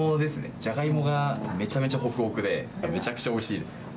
じゃがいもがめちゃめちゃほくほくで、めちゃくちゃおいしいですね。